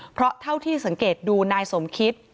เพราะเท่าที่สังเกตดูนายสมคิต